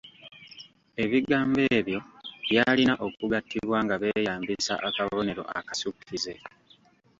Ebigambo ebyo byalina okugattibwa nga beeyambisa akabonero akasukkize.